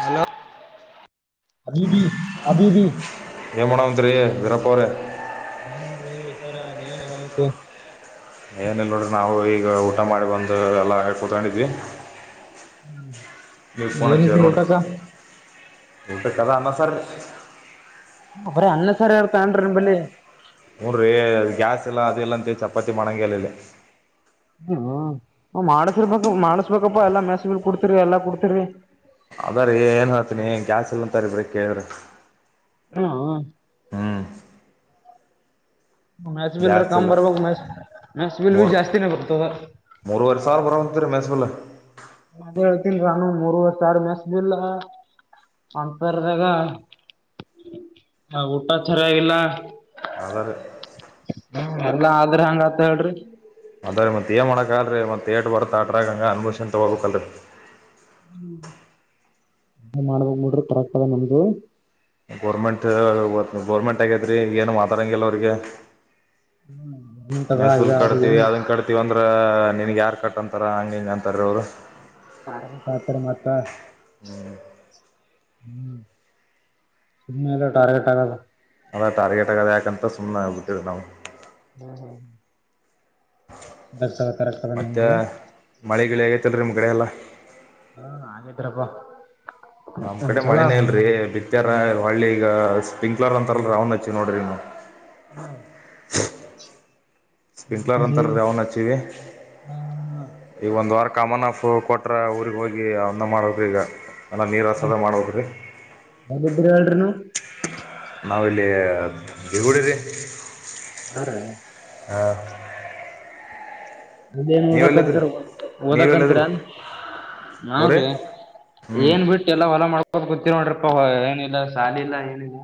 Hello ಅದಬ ಅಬಬ ಇದರಪವರೇ ಏನಿಲ್ರೀ ಸರ ನೀವೆ ಹೇಳ್ಬೇಕು ಈ ಊಟ ಮಾಡಿ ಬಂದು ಎಲ್ಲ ಕುತ್ಗಂಡಿದ್ವಿ ಹ್ಮ್ ಏನ್ತಿತ್ರಿ ಊಟಕ್ಕ ಊಟ ಕದ ಅನ್ನ ಸರ್ ಅಪರ ಅನ್ನ ಸಾರ ಇರು ತಾನ್ರಿ ಬಲ್ಲಿ ನೋಡ್ರರಿ ಗ್ಯಾಸ್ ಇಲ್ಲ ಅದೆಲ್ಲ ಅಂತೆ ಚಪಾತಿ ಮಾಡಂಗೆಲ್ಲ ಇಲ್ಲಿ ಹ್ಮ್ ಮಾಡ್ಸಿರ್ಬೇಕ ಮಾಡಸ್ಬೇಕಪ್ಪಾ ಎಲ್ಲಾ ಮೆಸಗಲ್ ಕುಡ್ತಿರಿ ಎಲ್ಲಾ ಕುಡ್ತಿರಿ ಅದ ರೀ ಏನ್ ಹೇಳ್ತನಿ ಗ್ಯಾಸ್ ಇಲ್ಲಂತರಿಬ್ರಿ ಕೇಳಿದ್ರ ಹಾ ಮ್ಯಾಸ್ ಬಿಲ್ರ ಗ್ಯಾಸ್ ಕಾಮ ಇಲ್ಲ ಬರ ಬ ಮ ಮ ಬಿಲ್ ಬಿ ಮೂರು ಜಾಸ್ತಿ ನ ಬರ್ತದ ಬಲ [unintelligible] ಅದ ಹೇಳ್ತಿನಾನು ಮೂರವರ ಸಾರ ಮೆಸ್ಬಿಲ್ಲ ಅಂತರ್ಗ ಊಟ ಚರಿ ಆಗಿಲ್ಲ ಅದರ ಎಲ್ಲಾ ಆದ್ರ ಹಂಗತ್ ಹೇಳ್ರಿ ಅದಾರೆ ಮತ್ತಯ ಮ ಮಾಡಣ ಹಾಗಲ್ಲ ರೀ ಒಂದು ಥಿಯೇಟ್ ಬರ್ತ್ತಾ ಆಟ್ರಾಗ ಹಂಗೆ ಅನ್ಭೂಷನ್ ತೊಗೋಬೇಕಲ್ ರೀ ಹ್ಮ ಮಾಡಬಕ ಬುಡ್ಡಿ ಪರಕ್ತದ ನಿಮ್ದು ಗೋರ್ಮೆಂಟ್- ಗೋರ್ಮೆಂಟ್ ಆಗೈತ್ರೀ ಏನು ಮಾತಾಡಂಗಿಲ್ಲ ಅವ್ರಿಗೆ ಅದ ಈಗ ಮೆಸೂಲ್ ಅವ್ರಿಗೆ ಕಡ್ತೀವಿ ಏನ್ ಅನ್ ಕಟ್ತೀವಿ ಅಂದ್ರ ನಿನಗೆ ಯಾರು ಕಟ್ಂತಾರ ಹಂಗೆ ಹಿಂಗೆ ಅಂತಾರೆ ಅವ್ರು ಆ ಪಾತ್ರ ಮಾತ ಹ್ಮ್ ಸುಮ್ಮನೆ ಎಲ್ಲ ಟಾರ್ಗೆಟ್ ಆಗಲ್ಲ ಅ ಟಾರ್ಗೆಟ್ ಆಗೋದ ಯಕಂತ ಸುಮ್ಮನೆ ಆಗಿ ಬಿಟ್ಟವಿ ನಾವು. ಹ್ಮ್ ಹ್ಮ ಹ. ಬರ್ಸ ಕರಕ್ತದ ನಿಮ್ದು. [inaudible] ಮತ್ತ್ ರಿ ನಿಮ್ಮ ಕಡೆ ಎಲ್ಲಾ. ಹಾ ಹಾಗಿದ್ರಪ್ಪ. ನಮ್ ಕಡೆ ಮಳೆನೇಲ್ರರಿ ಬಿತ್ತಾರ ಹೂಳ್ಳಿ ಈಗ. ಸ್ಪಿಂಕ್ಲರ್ ಅಂತಾರ ರೌಂಡ್ ಹಚ್ಚಿ ನೋಡ್ರರಿ ನೀವು. ಹಾ. ಸ್ಪ್ರಿಂಕ್ಲರ್ ಅಂತಾರ ಅವನ್ ಹಚ್ಚಿವಿ ಆ ಈಗ ಒಂದ್ ವಾರ ಕಾಮನ್ ಆಫ್. ಹೋಗಿ ಕೊಟ್ರ ಊರಿಗೆ ಹೋಗಿ ಅವನ್ನ ಮಾಡ್ಬೇಕ ಈಗ. ಎಲ್ಲ ನೀರು ಹಸೋದ ಮಾಡ್ಬೇಕು ರೀ ಹರು ಹೇಳನ ನೀವ್ [inaudible] ಬಗುಡಿರೆ [inaudible] ಹ್ಮ. ಹಾ. ಅದೇನ್ ಓದಕಂತ ನೀವೆಲ್ಲಿದ್ರಿ ಓದಕಂತೀರ ಊರೇ ನಾವ್ರೀ ಹ್ಞೂ ಏನ್ ಬಿಟ್ಟು ಎಲ್ಲ ಹೊಲ ಮಾಡಕ. [inaudible] ಗೊತ್ತರ್ ನೋಡ್ರಿಪ್ಪಾ ಏನಿಲ್ಲ ಸಾಲಿ ಇಲ್ಲ ಏನಿಲ್ಲ.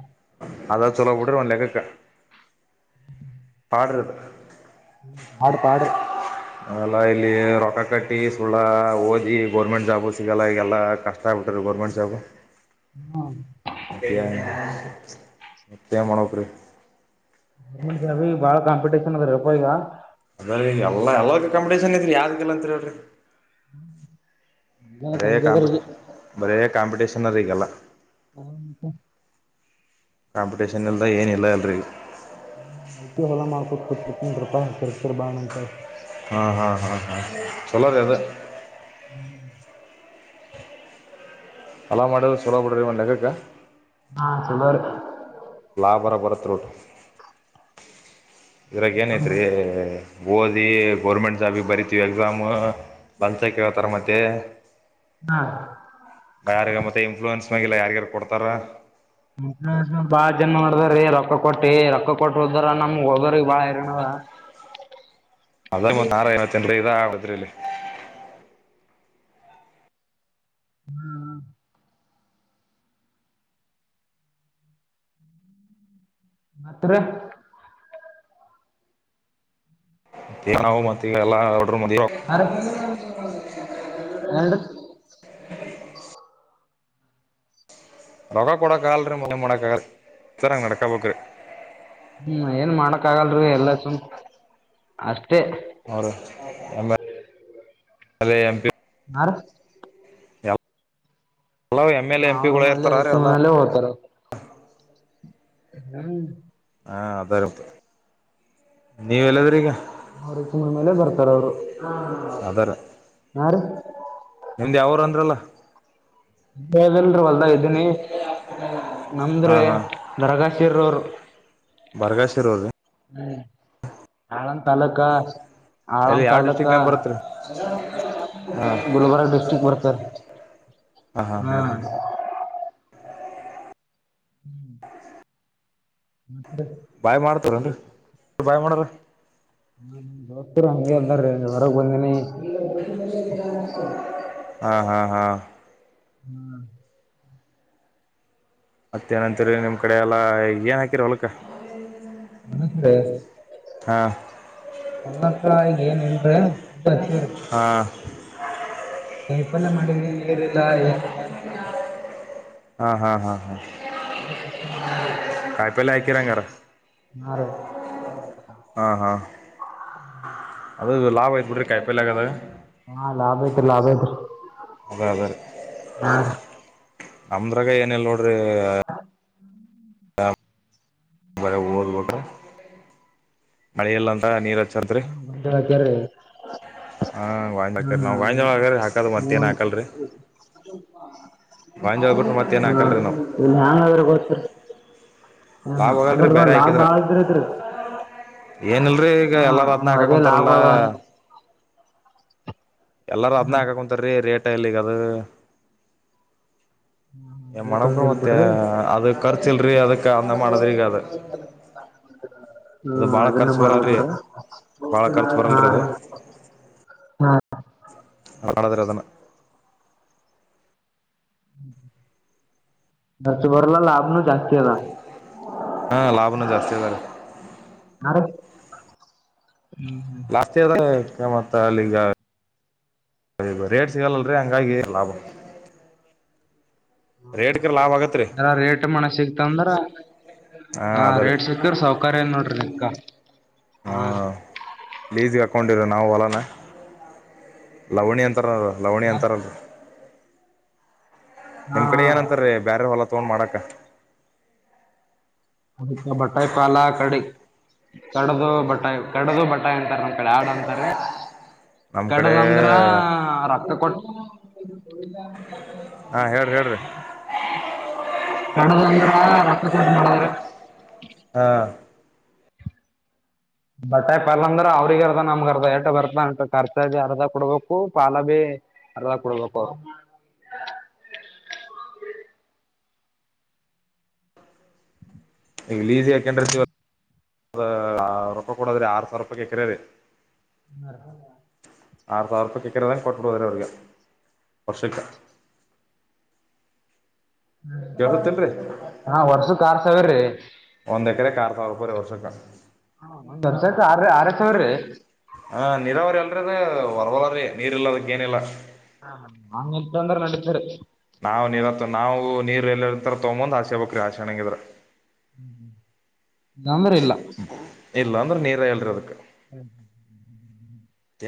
ಅದ ಚಲೋ ಬಿಡ್ರಿ ಒಂದ್ ಲೆಕ್ಕಕ್ಕ. ಆಡ್ರ [unintelligible] ಆಡ್ ಪಾಡ. ಅವೆಲ್ಲ ಇಲ್ಲಿ ರೊಕ್ಕ ಕಟ್ಟಿ ಸುಳ್ಳ ಓದಿ ಗೋರ್ಮೆಂಟ್ ಜಾಬು ಸಿಗಲ್ಲ ಈಗಲ್ಲ ಕಷ್ಟ ಆಗ್ಬಿಟ್ರ ಗೋರ್ಮೆಂಟ್ ಜಾಬು. ಮತ್ತ. ಮತ್ಯೆ ಏನ್ ಮಾಡ್ಬೇಕ್ ರೀ. ಬಾಳ ಕಾಂಪಿಟೇಷನ್ ಅದ್ರಪ್ಪ ಈಗ. ಅದ್ರ ಎಲ್ಲಾ ಎಲ್ಲ ಕಾಪಿಟೇಷನ್ ಇದ್ರರಿ ಯಾವ್ದಕಲ್ಲ ಅಂತರಿಲ್ರಿ. ತಂಗ್ಯ ಕರಿ [inaudible] ಕಾಂಪಿಟೇಷನ ಇದ ಈಗಲ್ಲ. ಹಾ. ಕಾಂಪಿಟೇಷನ್ ಎಲ್ದ ಏನ ಇಲ್ಲ ಅಲ್ರಿ. ಮಂದಿ ಹೊಲಾ ಮಾಡ್ಕೋ. ಕುಪ ಕೃಪಾ ಸಕ ಬ [inaudible] ಹ ಹ ಹಾ ಹ ಚಾಲೋರಿ ಅದ. ಹೊಲ ಮಾಡೋದ ಚಲೋ ಬಿಡ್ರಿ ಒಂದ ಲೆಕ್ಕಕ್ಕ. ಹಾ ಚಲೋ ರಿ. ಲಾಭ ಆರ ಬರುತ್ತರಿ ಓಟ್. ಇದ್ರಾಗ ಏನೈತ್ರಿ. ಓದಿ ಗೋರ್ಮೆಂಟ್ ಜಾಬ್ ಗಿ ಭರಿತವಿ ಎಕ್ಸಾಮ್ಸ ಲಂಚ ಕೇತಾರೆ ಮತ್ತೆ ಬಯಾರಗ ಮತ್ತೆ ಇನ್ಫ್ಲೂಯನ್ಸ್. [inaudible] ಯಾರಿಗರ ಕೊಡ್ತಾರ. ಬಾಳ ಜನ ಮಾಡದ್ರೀ ರೊಕ್ಕ ಕೊಟ್ಟಿ ರೊಕ್ಕ ಕೊಟ್ಟ ಹೋದಾರ ನಮಗ್ ಹೋದ್ರ ಬಾಳ ಇರನ ಅದ ಐವತ್ತ ಜ ಇದ ಅದ್ರಲೆ ಹ್ಮ್ ತ್ರ ಏನವು ಮತ್ತಗ ಎಲ್ಲ ಮರ ಏನ್ರಿ ರೊೋಗ ಕೊೂಡಕ್ಕ ಆಲ್ರಿೀ ಮಜೆ ಮೋಡಕ್ಕಾಗಲ್ ಸರಂಗ ನಡಕಾ ಪಕ್ರು ಹ್ಮ್ ಏನ್ ಮಾಡಕ್ ಆಗಲ್ರಿ ಎಲ್ಲ ಚು ಅವರು ಎಮ್ಮ ಅದೇ ಎಂಪಿ ಆ ಎಲ್ಲ ಎಮ್ ಎಲ್ ಹಾ ಎ ಎಂ ಅವ್ರ ಪಿಗಳ ಮೆ ಇರ್ತಾರ ರೀ ರೆಕ್ಕ ಎಲ್ಲ ಮನಲ್ಲೇ ಹೋಗ್ತಾರ ಹ್ಮ ಹಾ ಅದಾರತ್ತ ನೀವ ಎಲ್ಲಾದ್ರ ಈಗ ಅವ್ರಿಗೆ ತುಂಬ ಮೇಲೆ ಬರ್ತಾರ ಅವರು ಅದಾರ ಯಾರ ಹ ನಿಮ್ದು ಯಾವರು ಅಂದ್ರಲ್ಲ ದಲ್ರರಿ ಹೊಲ್ದ ಇದ್ದೀನಿ ಹಾ ನಮ್ದ್ರೀ ದರಗಾ ತಿರೂರು ಬರಗಾಸಿರೋ್ರಿ ಹ್ಮ ಹಳನ್ ತಾಲಕ ಎಲ್ಲಿ ಆಳಾಮ್ ಯಾವ ತಾಲೂಕ ಡಿಸ್ಟ್ರಿಕ್ ನಾಗ ಬರತ್ರಿ ಹಾ ಗುಲ್ಬರ್ಗ ಡಿಸ್ಟ್ರಿಕ್ ಬರ್ತಾರೆ ಹಾ ಹಾ ಹಾ ಹಾ ಹ್ಮ್ ಬಾಯ್ ಮಾಡ್ತವಾರೇನ್ರಿ ಬಾಯ್ ಮಾಡೋಡ್ರ ಹಮ್ ದೋಸ್ತಿರ ಹಂಗೆ ಅ ಹೊರ ಒಂದಿನಿ ಹಾ ಹಾ ಹಾ ಹ್ಮ್ ಮತ್ತೇಏನಂತ್ರ ನಿಮ್ ಕಡೆ ಎಲ್ಲ ಏನ್ ಹಾಕಿರಿ ಹೊಲಕ್ಕ ಹಾ ಮಲ್ಲಕ್ಕಾಯಗ ಏನ್ನ್್ರೆ ಹಾ ಕಲ್ಪನೆ ಮಾಡಿವಿ ನೀರಿಲ್ಲ ಏನಿಲ್ಲ [inaudible] ಹಾ ಹಾ ಹಾ ಹಾ ಎ ಕಷ್ಟನಳ್ಳ ಅರ ಕಿರಂಗರ ಹಾ ರಿ ಹಾಂ ಹಾಂ ಅದು ಲಾಭ ಯತ್ ಬಿಡ್ರಿ ಕಾಯಿ ಪೈಲ್ ಆಗದಾಗ ಲಾಭಯ್ತ ಲಾಭಯತ್ ಅದ ಹಾ ನಮ್ರಾಗ ಏನಿಲ್ಲ ನೋಡ್ರಿ ಅ [inaudible] ಹ [unintelligible] ಮಳೆಲ್ಲಂತ ನೀರ ಹ ಹಾ ಗಾಂಜ್ ಹಾಕರಿ ನಾವು ಗಾಂಜಾಳ ಹಾಕ್ರ ಹಾಕದು ಮತ್ತೇನ್ ಹಾಕಲ್ರಿ ಗಾಂಜಾಳ ಬಿಟ್ರೆ ಮತ್ತೇನ್ ಹಾಕಲ್ರಿ ನಾವು [inaudible] ಲಾಭ್ ಆಗಲ್ರಿ ಅದ್ರದ ಬೇರೆ ಲಾಭ ಹಾಕಿದ್ರ ಬಾಳ ಇದ್ರತ್ರಿ ಏನಿಲ್ರಿ ಈಗ ಹಾ ಎಲ್ಲಾರ ಅದನ ಹಾಕಕ ಅದೇ ಲಾಭ ಕುಂತಾರಲ್ಲ ಅದ ಎಲ್ಲರ ಅದ್ನ ಹಾಕಾಕ ಕುಂತಾರ ರಿ ರೇಟ್ ಇಲ್ಲ ಈಗ ಅದ ಏ ರೇಟ್ ಒಂದ ಮಾಡಕ ಇಲ್ ಮತ್ತೆ ಬಿಡ್ರಿ ಅದ ಖರ್ಚ ಇಲ್ರರಿ ಅದಕ್ ಅ ಮಾಡ್ರಿ ಈಗ ಅದು ಹ್ಮ್ ಬಾಳ ಅದನ್ನೇ ಖರ್ಚ ಮಾಡದ್ ಬರಲ್ರಿ ಬಿಡ್ರಿ ಬಾಳ ಖರ್ಚ ಹಾ ಬರಲ್ರಿ ಅದು ರೀ ಹಾ ಮಾಡದ್ರ ಅದನ್ನ ಹೆಚ್ಚ ಭರಲ್ಲ ಲಾಭ ನ ಹಾ ಲಾಭನು ಜಾಸ್ತಿ ಬರತ್ತ ಹಾ ರೀ ಲಾಸ್ಟ್ದ ಮತ್ತ ಅಲ್ಲಿಗ ರೇಟ್ ಸಿಗಲ್ಲಲ್ರಿ ಹಂಗಾಗಿ ಲಾಭ ರೇಟ್ಗೆ ಲಾಭ ಆಗತ್ರಿ ಹ ರೇಟ್ ಮಣ ಸಿಗ್ತಂದ್ರ ಹಾ ಹ ಅದರಿ ರೇಟ್ ಸಿಕ್ತ್ರ ಸೌಕರ್ಯ ಏ ನೋಡ್ರಿ [unintelligible] ಹಾ ಲ್ಲೀಸ್ಗೆ ಅಕೌೊಂಡ ಇರ ನಾವು ಹೊಲನಾ ಲವಣಿ ಅಂತ ಅಂತರ ಲವಣಿ ಅಂತಾರಲ್ಲ ಹಾ ನಿಮ್ ಕಡೆ ಏನ ಅಂತಾರೆ ಬ್ಯಾರರ್ ಹೊಲಾ ತಗೊಂಡ್ ಮಾಡಕ್ ಕ್ಕ ಅದ ಬಟಾಯ ಪಾಲಕ್ ಕಡೆ ಕಡದು ಬಟಾಯಿ ಕಡ್ದ ಬಟಾಯಿ ಅಂತಾರೆ ನಮ್ಮ ಕಡೆ ಆಡು ಅಂತಾರ ನಮ್ ಕಡೆ ಕಡದ ಅಂದ್ರ ರಕ್ತ ಕೊಟ್ಟ [inaudible] ಹಾ ಹೇಳ್ರಿ ಹೇಳ್ರಿ ಕಡದಂದ್ರ ರಕ್ತ ಕೊಟ್ಟ ಮಾಡಿದ್ರ ಹಾ ಬಟಾಯಿ ಪಾಲ ಅಂದ್ರ ಅವ್ರಿಗ್ ಅರ್ದ ನಮ್ಗ ಅರ್ದ ಟ ಬರ್ತಂಟ ಖರ್ಚ ಭ ಅರ್ಧ ಕೊಡ್ಬೇಕು ಪಾಲ ಬಿ ಅರ್ಧ ಕೊಡ್ಬೇಕು ಇಂಗ್ ಈಸಿ ಆಕಂಡ ರ ರೊಕ್ಕ ಕೊಡಾದ್ರೆ ಆರು ಸಾವಿರ ರೂಪಾಯಿರೀ ಕೆರೆಯದೆ ಆರ್ ತಾವರ್ಪ ಕೇಕರೆದ ಕೊಟ್ಟ ಕೊಡ್ತಾರೆ ಅವರಿಗೆ ವರ್ಷಕ್ಕ ಕೇಳಸತ್ತಲ್ರರಿ ಹಾ ವರ್ಷಕ್ ಆರ್ ಸಾವಿರ ರೀ ವರೆ ವರ್ಷ ಕ ಹ ಬರ್ಸತ್ ಆರ ಆರ ಸಾವಿರ ರೀ ಪರ್ವಲ್ಲ್ರೀ ನೀರ್ ಇಲ್ಲದಕ್ಕ ಏನಿಲ್ಲ ಹ ಎತ್ತದ್ರೆ ನೆಡಿತೆತ್ರಿ ನಾವ್ ನೀರತ್ ನಾವು ನೀರ್ ಎಲ್ಲತರ ತೊಗಂಬಂದ್ ಹಸೆ ಬಕ್ ಆಸೆ ಹಣಂಗಿದ್ರ ಹ್ಮ್ ತಂದ್ರೆ ಇಲ್ಲ ಇಲ್ಲ ಅಂದ್ರೆ ನೀರ ಹೇಳಿ ಅದಕ್ಕೆ ಹ್ಮ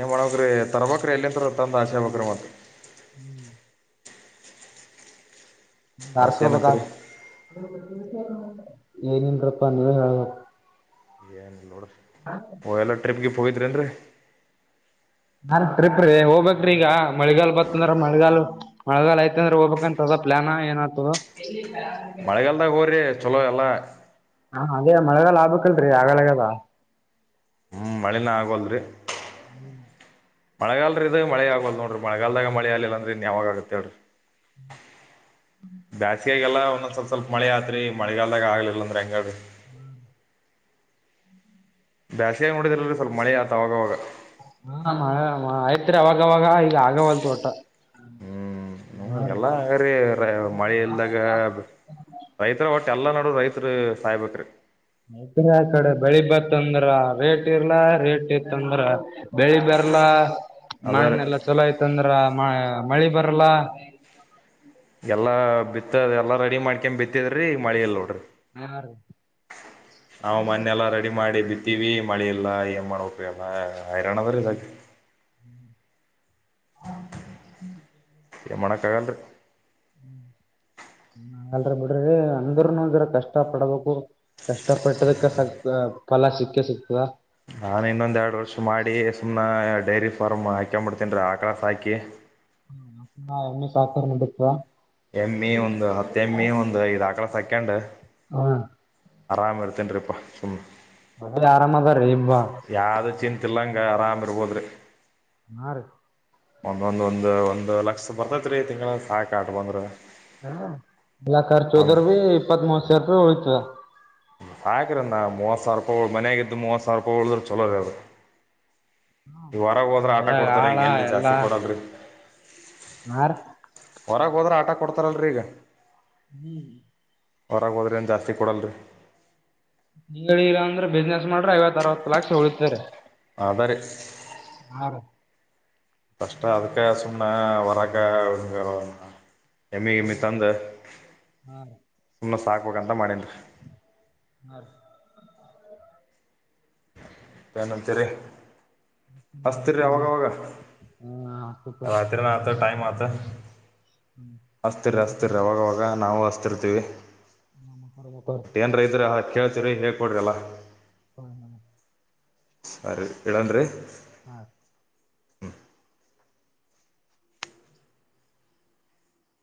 ಏ ಮಾಡಕ್ರಿ ತರ್ಬಕ್ರ ಎಲ್ಲಿಂತ ತಂದ ಆಶೆ ಬಕ್ರ ಮತ್ ಹ್ಮ್ ಮತ್ತೇನಂತರಿ [inaudible] ಏನಿಳ್ರಪ್ಪ ನೀವೆ ಹೇಳಬೇಕ್ ಏನಿಲ್ಲ ನೋಡ್ ಎಲ್ಲ ಟ್ರಿಪ್ಗೆ ಹೋಗಿದ್ರೇನ್ ರೀ ನಾನ್ ಟ್ರಿಪ್ ಹೋಗ್ಬೇಕ್ರೀ ಈಗ ಮಳಿಗಾಲ್ ಬಂದ್ರ ಮಳಿಗಾಲ್ ಮಳೆಗಾಲಲ್ ಯತ ಅಂದ್ರ ಹೋಗ್ಬೇಕಂತ ಅದ ಪ್ಲಾನ ಏನ ಆತದ ಮಳೆಗಾಲದಾಗ ಹೋರೀ ಚಲೋ ಎಲ್ಲ ಹಾ ಅದೇ ಮಳೆಗಾಲ ಆಗ್ಬಕ್ಲ್ರರಿ ಆಗಲಗದ ಹ್ಮ್ ಮಳಿನ ಅಗಾವ್ತುಲ್ ರೀ ಮಳೆಗಲ್ರ ಇದ ಮಳೆ ಆಗಲ್ ನೋಡ್ರಿ ಮಳೆಗಾಲದಾಗ ಮಳೆ ಆಗ್ಲಿಲ್ಲ ಅಂದ್ರಿ ಇನ್ಯಾವಾಗ ಆಗತ್ತೇಡ್ರಿ ಬ್ಯಾಸಿಗೆಗೆಲ್ಲಾ ಒಂದೊಂದ್ ಸ್ವಲ್ ಸ್ವಲ್ಪ ಮಳೆ ಆತ್ರಿ ಮಳೆಗಲ್ದಾಗ ಆಗ್ಲಿಲ್ಲ ಅಂದ್ರಿ ಹೆಂಗ ಬ್ಯಾಸಿಯಾಗಿ ನೋಡಿದ್ರಲ್ರಿ ಸ್ವಲ್ಪ ಮಳೆ ಆಯ್ತ್ ಅವಾಗ್ ಅವಾಗ ಹ ಆಯ್ತ್ರಿ ಅವಾಗವಾಗ ಈಗ ಆಗವಲ್ ರಇ ಹೋಟ್ಟ ಹ್ಮ್ ಎಲ್ಲ ಮಳೆ ಇಲ್ದಾಗ ರೈತರ ಹೊಟ್ಟ ಎಲ್ಲಾ ನಡ ರೈತ್ರು ಸಾಯ್ಬಕ್ರರಿ ಮೈತ್ರಿ ಆ ಕಡೆ ಬೆಳಿ ಬತ್ತಂದ್ರ ರೇಟ್ ಇರ್ಲ ರೇಟ್ ಇತ್ತಂದ್ರ ಬೆಳಿ ಬರ್ಲ್ಲ ಅದ ರೀ ಮಣ್ಣ ಎಲ್ಲಾ ಚಲೋ ಆಯ್ತಂದ್ರ ಮ ಮಳೆ ಬರಲ್ಲ ಎಲ್ಲಾ ಬಿತ್ತ ಎಲ್ಲಾ ರೆಡಿ ಮಾಡ್ಕ ಬಿತ್ತಿದ್ರಿ ಮಳಿಲ್ಲ ನೋಡ್ರಿ ಹಾ ರೀ ನ ಮೊನ್ನೆಲ್ಲ ರೆಡಿ ಮಾಡಿ ಬಿತ್ತು ತಿವಿ ಮಳೆ ಎಲ್ಲ ಏನ್ ಮಾಡ್ಬೇಕೋ ಹೈರನದ್ರೆ ಇದಕ ಹೌ ಹ ಏನು ಮಾಡಕ್ಕ ಆಗಲ್ರರಿ ಹ್ಮ ನ ಅಲ್ರ ಬಿಡ್ರಿ ಅಂದ್ರನು ಇದ್ರ ಕಷ್ಟ ಪಡ್ಬೇಕು ಕಷ್ಟ ಪಟ್ಟದಕ್ಕೆ ಸ್ವಲ್ಪ ಫಲ ಸಿಕ್ಕ ಸಿಕ್ತದ ನಾನ್ ಇನ್ನೊಂದ್ ಎರಡು ವರ್ಷ ಮಾಡಿ ಸುಮ್ನ ಡೈರಿ ಫಾರ್ಮ್ ಹಾಕೊಂಡಂಬಡ್ತೇನ್ರೀ ಆಕಳ ಹಾಕಿ ಹ ಅಾ ಎಮ್ಮ ಸಾಕಿದರ ನಡೀತದ ಎಮಿ ಒಂದು ಹತ್ತ ಎಮಿ ಒಂದು ಇದ್ ಆಕಳ ಸಾಕೆಂಡ್ ಹಾ ಆರಾಮ್ ಇರ್ತೀನಿರಿ ಪಾ ಸುಮ್ಮ್ ಒಟ್ಟಿನಲ್ಲಿ ಆರಾಮದಾ ರೀಪಾ ತಿಲ್ಲಂಗೆ ಆರಾಮ್ ಇರ್ಬೋದ್ರಿ ಹಾರಿ ಒಂದ ಒಂದ ಒಂದ್ ಒಂದ್ ಲಕ್ಷ ಬರ್ತತ್ೀ ತಿಂಗಂಗಳ ಸಾಕ ಆಟ್ ಬಂದ್ರ ಹ ಕಲಾಕರ್ ಚೋಧರ ಭ ಇಪ್ಪತ್ ಮೂವತ್ ಸಾವಿರ ರೂಪಾಯಿ ಹೋಯ್ತ್ ತದಾ ಸಾಕ್ರ ನ ಮೂವತ್ ಸಾವರ ರೂಪಾಯಿ ಮನ್ಯಾಗ ಇದಿದ್ದ ಮ ಮೂತ್ ಸಾವರ ರೂಪಾಯಿ ಉಳದ್ರ ಚಲೋ ರದದು ಹ್ಮ ಮನ್ಯಾಗ ಕೊಡ್ತಾರೆ ಆಳ ಈಗ ಎಲ್ಲಿ ಎಲ್ಲಾ ಜಾಸ್ತಿ ಕೊಡಲ್ಲ ರೀ ನಾರ್ ಹೊರಗೆ ಹೋದ್ರೆ ಆಟ ಕೊಡ್ತಾರಲ್ರಿ ಈಗ ಹ್ಮ್ ಹೊರಗೆ ಹೋದ್ರೆ ಏನು ಜಾಸ್ತಿ ಕೊಡಲ್ರಿ ನಿಂಗ ಇಿಲ್ಲ ಅಂದ್ರೆ ಬಿಸ್ನೆಸ್ ಮಾಡ್ರೆ ಐವತ್ತ ಅರವತ್ತು ಲಕ್ಷ ಉಳಿತಾದ್ರಿ ಆದರೀ ಕಷ್ಟ ಅದಕ್ಕ ಸುಮ್ಮನೆ ವರಾಗ ಎಮ್ಮಿ ಎಮ್ಮಿ ತಂದ ಸುಮ್ಮ ಸಾಕ್ಬೇಕ ಅಂತ ಮಾಡೆನ್ರಿ ಹಾ ರಿ ಏನಂತೀರಿ ಹ್ಮ ಹ್ಮ ರಾತ್ರಿನಾತ್ತು ಟೈಮ್ ಆತ ಅಸ್ತಿರರಿ ಅಸ್ತಿರೀ ಅವಾಗವಾಗ ನಾವು ಅಸ್ತಿರ್ತೀವಿ ಏನ್ರಾ ಇದರ ಕೇಳ್ತ ರಿ ಹೇ ಕೊಡ್ಡ್ರಲ್ಲ ಹ ಹ ಸರಿ ಇದನ್ರೀ ಹ್ಮ